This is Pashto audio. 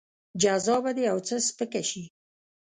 جزا به دې يو څه سپکه شي.